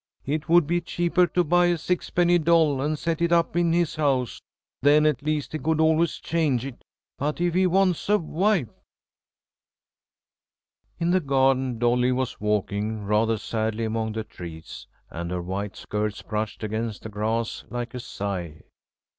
It would be cheaper to buy a sixpenny doll and set it up in his house; then at least he could always change it. But if he wants a wife "In the garden Dolly was walking rather sadly among the trees, and her white skirts brushed against the grass like a sigh.